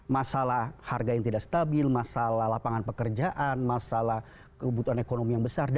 masalah harga yang tidak stabil masalah lapangan pekerjaan masalah kebutuhan ekonomi yang besar